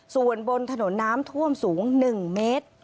ส่วนบนถนนน้ำท่วมสูง๑เมตร